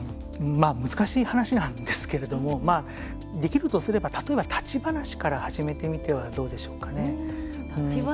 難しい話なんですけれどもできるとすれば例えば立ち話から始めてみてはどうでしょうか。